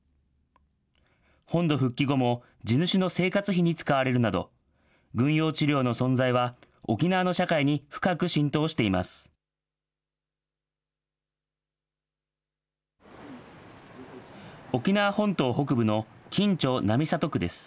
本土復帰後も、地主の生活費に使われるなど、軍用地料の存在は、沖縄の社会に深く浸透しています。